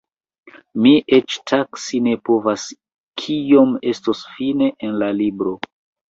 Mi eĉ taksi ne povas kiom estos fine en la libro.